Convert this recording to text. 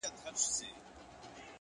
وخت د ژوند تر ټولو منصفه پانګه ده!.